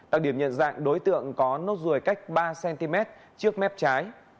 đặc điểm nhận dạng đối tượng có nốt ruồi cách ba cm trước mép trái